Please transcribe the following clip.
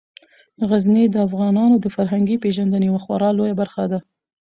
غزني د افغانانو د فرهنګي پیژندنې یوه خورا لویه برخه ده.